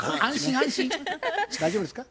大丈夫ですか？